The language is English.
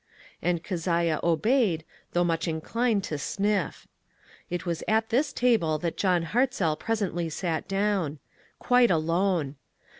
And Keziah obeyed, though much inclined to sniff. It was at this table that John Hartzell presently sat down. Quite alone.